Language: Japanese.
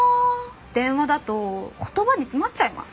電話だと言葉に詰まっちゃいます。